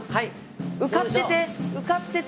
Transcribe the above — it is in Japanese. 受かってて。